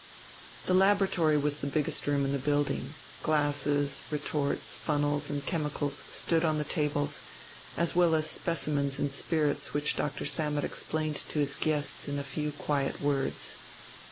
The laboratory was the biggest room in the building. Glasses, retorts, funnels, and chemicals stood on the tables, as well as specimens in spirits which Doctor Sammet explained to his guests in few quiet words.